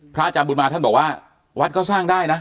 อาจารย์บุญมาท่านบอกว่าวัดก็สร้างได้นะ